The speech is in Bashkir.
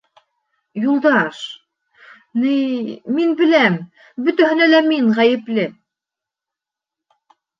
— Юлдаш, ни, мин беләм, бөтәһенә лә мин ғәйепле...